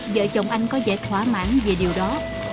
vợ chồng anh có giải thoả mãn về điều đó